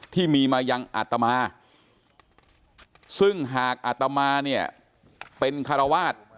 ที่มีมายังอัตมาซึ่งหากอัตมาเป็นฆราวาท